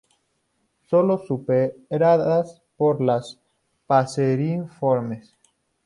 Solo superadas por las passeriformes.